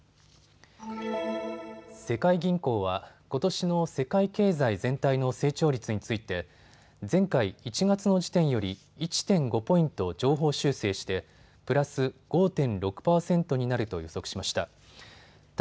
世界銀行は、ことしの世界経済全体の成長率について前回１月の時点より１．５ポイント上方修正してプラス５．６％になると予測しました。